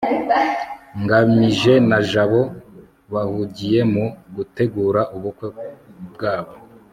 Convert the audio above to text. ngamije na jabo bahugiye mu gutegura ubukwe bwabo